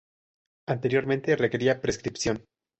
Anteriormente requería prescripción.